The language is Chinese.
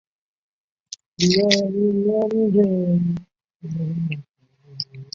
恩特罗讷新堡人口变化图示